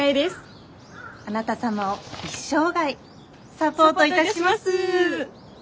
サポートいたします。